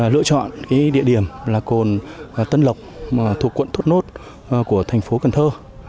lựa chọn địa điểm là cồn tân lộc thuộc quận thốt nốt của thành phố cần thơ